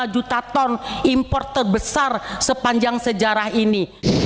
dua lima juta ton impor terbesar sepanjang sejarah ini